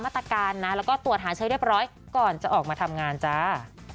มาตรการนะแล้วก็ตรวจหาเชื้อเรียบร้อยก่อนจะออกมาทำงานจ้า